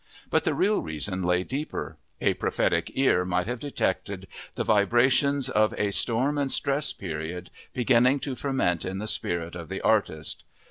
But the real reasons lay deeper. A prophetic ear might have detected the vibrations of a "storm and stress" period beginning to ferment in the spirit of the artist.